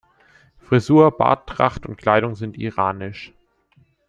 Frisur, Barttracht und Kleidung sind iranisch.